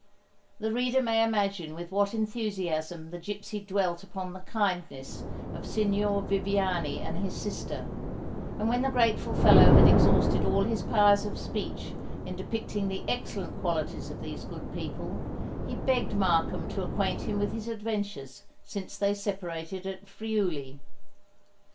The reader may imagine with what enthusiasm the gipsy dwelt upon the kindness of Signor Viviani and his sister; and when the grateful fellow had exhausted all his powers of speech in depicting the excellent qualities of these good people, he begged Markham to acquaint him with his adventures since they separated at Friuli.